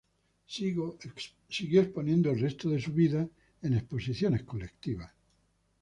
Siguió exponiendo el resto de su vida en exposiciones colectivas.